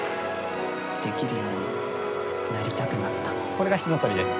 これが『火の鳥』です。